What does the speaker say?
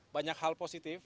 banyak hal positif